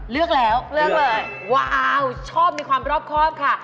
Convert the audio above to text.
เลือกแล้วเลือกเลยว่าอ้าวชอบมีความรอบครอบค่ะ